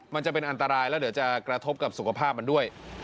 มันจะเป็นอันตรายแล้วเดี๋ยวจะกระทบกับสุขภาพมันด้วย